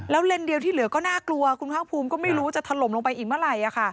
เลนส์เดียวที่เหลือก็น่ากลัวคุณภาคภูมิก็ไม่รู้จะถล่มลงไปอีกเมื่อไหร่